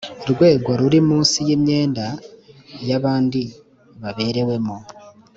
rwego ruri munsi y imyenda y abandi baberewemo